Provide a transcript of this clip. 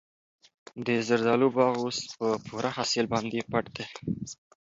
د زردالو باغ اوس په پوره حاصل باندې پټ دی.